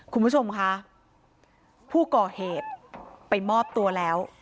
คุณผู้ชมคะผู้ก่อเหตุไปมอบตัวแล้ว